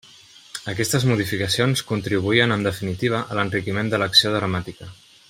Aquestes modificacions contribuïen en definitiva a l'enriquiment de l'acció dramàtica.